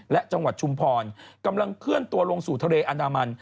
และจังหวัดชุมพรกำลังเคลื่อนตัวลงสู่ทะเลอันดามัน